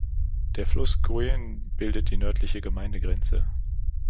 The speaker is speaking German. Der Fluss Goyen bildet die nördliche Gemeindegrenze.